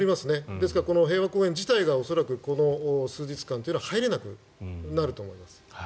ですから、平和公園自体が恐らくこの数日間というのは入れなくなると思います。